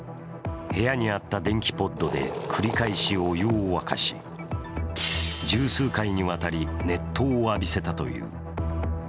部屋にあった電気ポットで繰り返しお湯を沸かし十数回にわたり熱湯を浴びせたという。